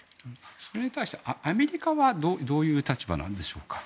それに対してアメリカはどういう立場なんでしょうか。